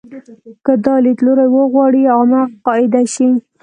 که دا لیدلوری وغواړي عامه قاعده شي.